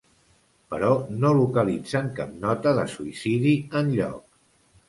Però no localitzen cap nota de suïcidi enlloc.